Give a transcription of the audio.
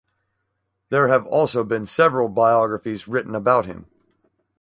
There have also been several biographies written about him.